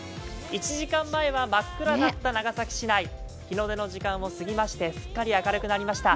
１時間前は真っ暗だった長崎市内、日の出の時間を過ぎまして、すっかり明るくなりました。